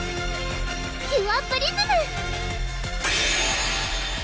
キュアプリズム！